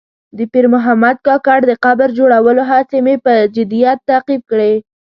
د پیر محمد کاکړ د قبر جوړولو هڅې مې په جدیت تعقیب کړې.